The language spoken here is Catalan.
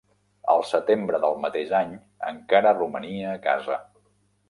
El setembre del mateix any encara romania a casa.